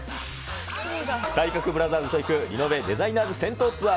体格ブラザーズと行く、リノベ・デザイナーズ銭湯ツアー。